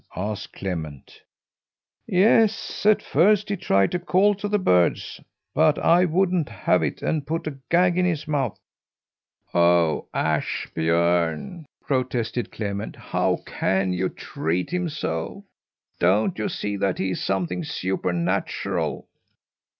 asked Clement. "Yes. At first he tried to call to the birds, but I wouldn't have it and put a gag in his mouth." "Oh, Ashbjörn!" protested Clement. "How can you treat him so! Don't you see that he is something supernatural!"